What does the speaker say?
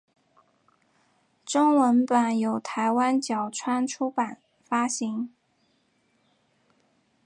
中文版由台湾角川出版发行。